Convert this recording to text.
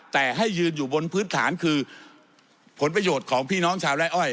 แต่ให้ยืนอยู่บนพื้นฐานคือผลประโยชน์ของพี่น้องชาวไล่อ้อย